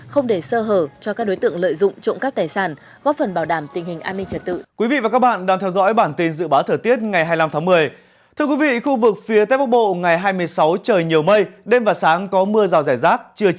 không để sơ hở cho các đối tượng lợi dụng trộm các tài sản góp phần bảo đảm tình hình an ninh trật tự